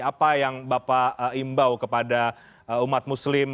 apa yang bapak imbau kepada umat muslim